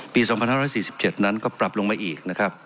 ปี๒๔๔๗นั้นก็ปรับลงมาอีก